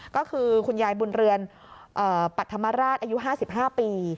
ก็คือคุณยายบุญเรือนปัธมราชอายุ๕๕ปี